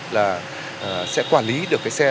là sẽ quản lý được cái xe